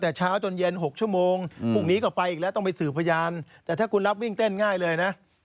แต่ถ้าคุณรับวิ่งเต้นง่ายเลยนะ